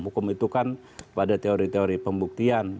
hukum itu kan pada teori teori pembuktian